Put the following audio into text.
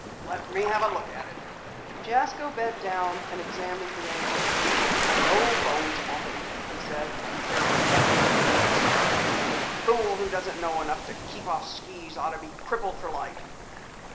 "Let me have a look at it." Jasko bent down and examined the ankle. "No bones broken," he said. "You're luckier than you deserve. Any fool who doesn't know enough to keep off skis ought to be crippled for life!"